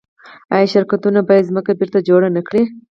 آیا شرکتونه باید ځمکه بیرته جوړه نکړي؟